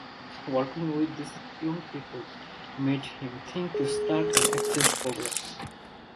Working with these young people made him think to start an exchange program.